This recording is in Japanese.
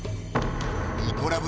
「イコラブ」